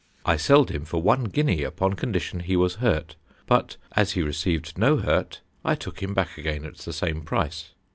I seld him for 1 guineay upon condition he was Hurt, but as he received no Hurt I took him back again at the same price.